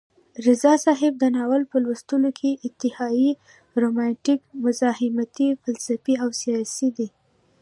راز صاحب دا ناول په لوستلو کي انتهائى رومانتيک، مزاحمتى، فلسفى او سياسى دى